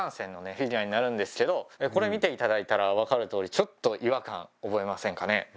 フィギュアになるんですけどこれ見て頂いたら分かるとおりちょっと違和感覚えませんかね？